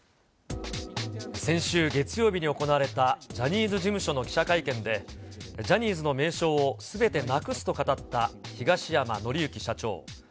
先週月曜日に行われたジャニーズ事務所の記者会見で、ジャニーズの名称をすべてなくすと語った東山紀之社長。